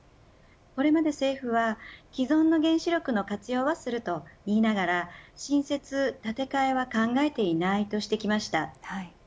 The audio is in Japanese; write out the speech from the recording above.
これまで政府は既存の原子力の活用はするといいながら新設、建て替えは考えていないとしてきました。